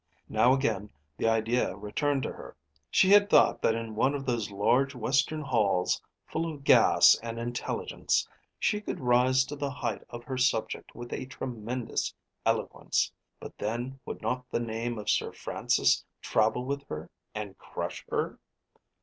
Now again the idea returned to her. She thought that in one of those large Western halls, full of gas and intelligence, she could rise to the height of her subject with a tremendous eloquence. But then would not the name of Sir Francis travel with her and crush her?